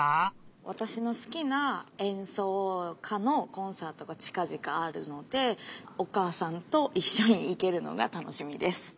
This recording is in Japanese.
わたしのすきなえんそうかのコンサートがちかぢかあるのでおかあさんといっしょにいけるのがたのしみです！